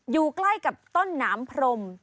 อยู่ใกล้กับต้นหนามพรม